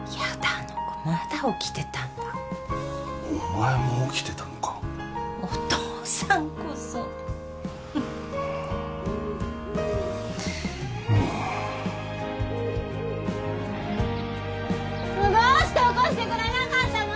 あの子まだ起きてたんだお前も起きてたのかお父さんこそフフッうーんどうして起こしてくれなかったの！？